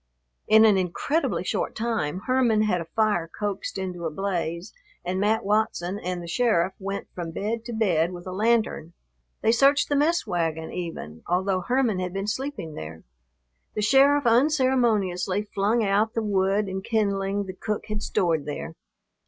In an incredibly short time Herman had a fire coaxed into a blaze and Mat Watson and the sheriff went from bed to bed with a lantern. They searched the mess wagon, even, although Herman had been sleeping there. The sheriff unceremoniously flung out the wood and kindling the cook had stored there.